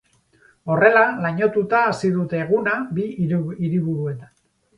Horrela, lainotuta hasi dute eguna bi hiriburuetan.